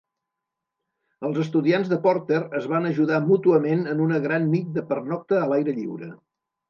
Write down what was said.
Els estudiants de Porter es van ajudar mútuament en una gran nit de pernocta a l'aire lliure.